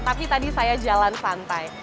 tapi tadi saya jalan santai